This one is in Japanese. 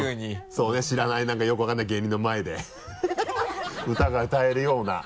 そうね知らない何かよく分からない芸人の前で 歌が歌えるような。